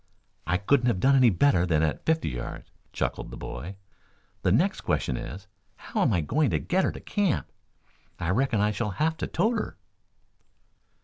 "I couldn't have done any better than that at fifty yards," chuckled the boy. "The next question is, how am I going to get her to camp? I reckon I shall have to tote her."